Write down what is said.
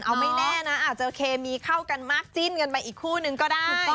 เอาไม่แน่นะอาจจะเคมีเข้ากันมากจิ้นกันไปอีกคู่นึงก็ได้ถูกต้อง